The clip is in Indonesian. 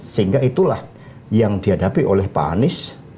sehingga itulah yang dihadapi oleh pak anies